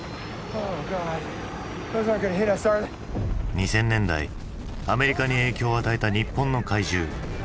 ２０００年代アメリカに影響を与えた日本の怪獣。